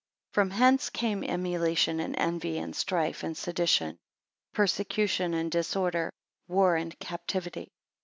2 From hence came emulation, and envy, and strife, and sedition; persecution and disorder, war and captivity.